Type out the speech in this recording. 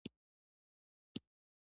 د چا حق بل ته نه ورکول کېده.